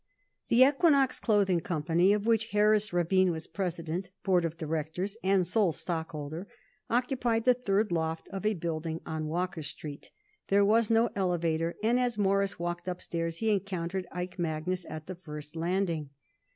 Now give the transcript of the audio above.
The Equinox Clothing Company of which Harris Rabin was president, board of directors and sole stockholder, occupied the third loft of a building on Walker Street. There was no elevator, and as Morris walked upstairs he encountered Ike Magnus at the first landing.